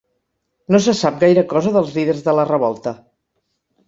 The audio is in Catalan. No se sap gaire cosa dels líders de la revolta.